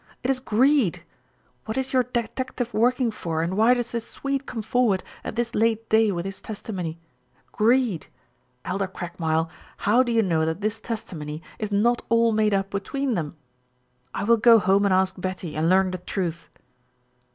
It is greed! What is your detective working for and why does this Swede come forward at this late day with his testimony? Greed! Elder Craigmile, how do you know that this testimony is not all made up between them? I will go home and ask Betty, and learn the truth."